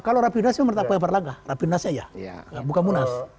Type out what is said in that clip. kalau rapi munasih itu merata pembarlangga rapi munasih aja bukan munas